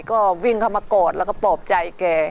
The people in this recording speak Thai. ก็วิ่งเข้ามากอดแล้วก็ปลอบใจแก